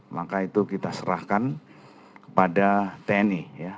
maka itu kita serahkan kepada tni